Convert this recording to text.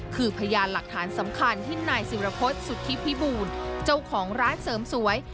คือพยานหลักฐานสำคัญที่นายศิรพฤษสุทธิพิบูลเจ้าของร้านเสริมสวย